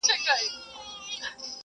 خمیر دي جوړ دی له شواخونه !.